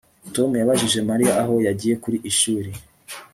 Tom yabajije Mariya aho yagiye ku ishuri